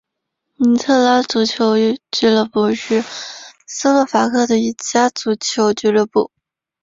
尼特拉足球俱乐部是斯洛伐克的一家足球俱乐部。